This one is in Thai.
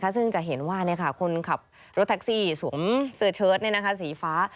ซึ่งจะเห็นว่าคนขับรถแท็กซี่สวมเสื้อเชิดสีฟ้า